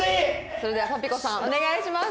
それではパピコさんお願いします。